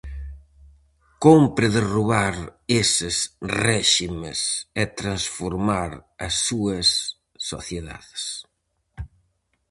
Cómpre derrubar eses réximes e transformar as súas sociedades.